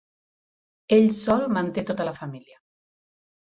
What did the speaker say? Ell sol manté tota la família.